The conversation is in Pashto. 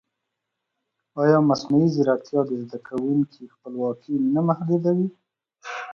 ایا مصنوعي ځیرکتیا د زده کوونکي خپلواکي نه محدودوي؟